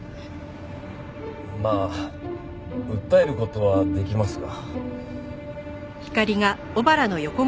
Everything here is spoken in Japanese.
まあ訴える事はできますが。